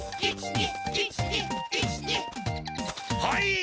はい！